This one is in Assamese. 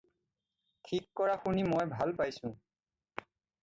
ঠিক কৰা শুনি মই ভাল পাইছোঁ।